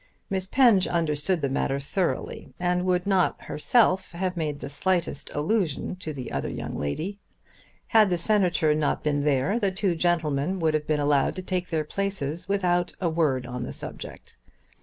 Miss Penge understood the matter thoroughly, and would not herself have made the slightest allusion to the other young lady. Had the Senator not been there the two gentlemen would have been allowed to take their places without a word on the subject.